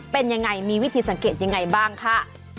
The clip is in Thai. เป็นยังไงมีวิธีสังเกตยังไงบ้างค่ะ